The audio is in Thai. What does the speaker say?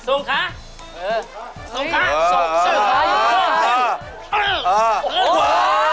ส่งค้า